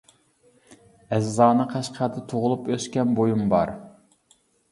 ئەزىزانە قەشقەردە تۇغۇلۇپ ئۆسكەن بويۇم بار.